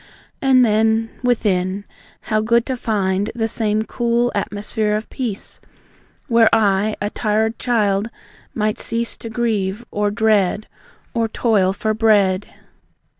And then, within, how good to find The same cool atmosphere of peace, Where I, a tired child, might cease To grieve, or dread, Or toil for bread.